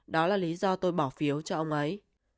đó là lý do tôi bỏ phiếu cho ông ấy